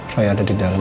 roy ada di dalam